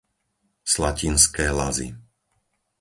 Slatinské Lazy